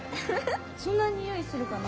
そんな匂いするかな？